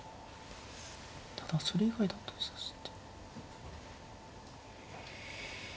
ただそれ以外だと指して。